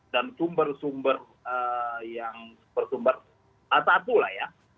dan sumber sumber yang bersumber atas atas lah ya